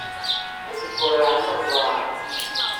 Ad d-ggurɛen iɣeẓṛan.